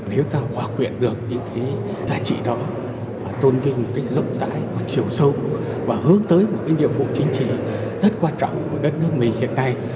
nếu ta hòa quyện được những cái giá trị đó và tôn vinh một cách rộng rãi có chiều sâu và hướng tới một cái nhiệm vụ chính trị rất quan trọng của đất nước mình hiện nay